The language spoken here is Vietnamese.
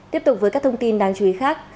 tiếp tục với các thông tin đáng chú ý khác